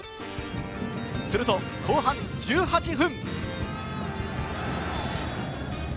すると後半１８分。